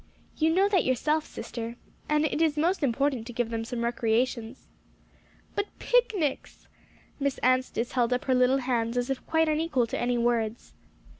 You know that yourself, sister. And it is most important to give them some recreations." "But picnics!" Miss Anstice held up her little hands, as if quite unequal to any words.